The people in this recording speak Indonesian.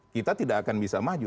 kita tidak akan bisa maju